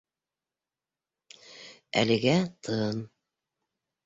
Әлегә тын.